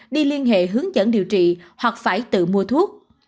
đi liên hệ hướng dẫn điều trị hoặc phải tự mua thuốc